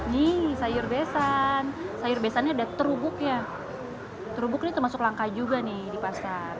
nih sayur besan sayur besannya ada terubuknya terubuk ini termasuk langka juga nih di pasar